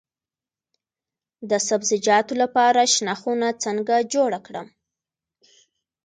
د سبزیجاتو لپاره شنه خونه څنګه جوړه کړم؟